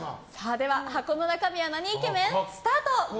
では箱の中身はなにイケメン？スタート！